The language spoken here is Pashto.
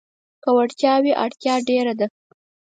که وړتيا وي، اړتيا ډېره ده.